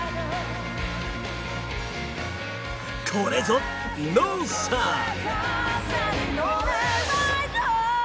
これぞ、ノーサイド！